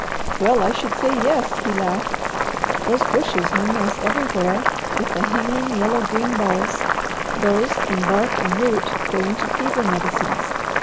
"Well I should say yes," he laughed. "Those bushes, numerous everywhere, with the hanging yellow green balls, those, in bark and root, go into fever medicines.